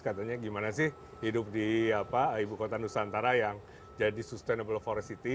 katanya gimana sih hidup di ibu kota nusantara yang jadi sustainable foresty